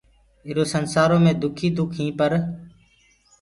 ايٚرو سنسآرو مي رُگو دُک ئي دُک ئينٚ پر